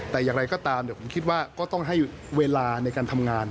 แต่อย่างไรก็ตามเดี๋ยวผมคิดว่าก็ต้องให้เวลาในการทำงาน